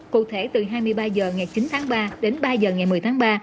cụ thể từ hai mươi ba h ngày chín tháng ba đến ba h ngày một mươi tháng ba